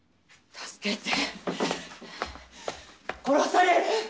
・助けて！